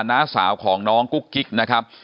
นะสาวของน้องกุ๊กกิ๊ก